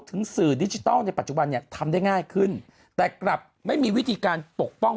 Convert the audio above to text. สื่อดิจิทัลในปัจจุบันเนี่ยทำได้ง่ายขึ้นแต่กลับไม่มีวิธีการปกป้อง